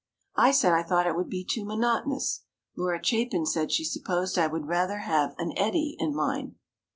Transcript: I said I thought it would be too monotonous. Laura Chapin said she supposed I would rather have an "eddy" in mine.